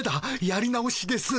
やり直しです。